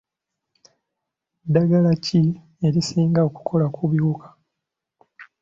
Ddagala ki erisinga okukola ku biwuka.